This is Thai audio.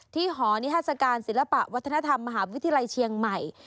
หอนิทัศกาลศิลปะวัฒนธรรมมหาวิทยาลัยเชียงใหม่